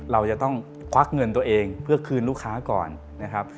เราจะต้องควักเงินตัวเองเพื่อคืนลูกค้าก่อนนะครับ